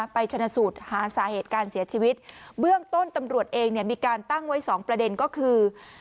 ชนะสูตรหาสาเหตุการเสียชีวิตเบื้องต้นตำรวจเองเนี่ยมีการตั้งไว้สองประเด็นก็คือ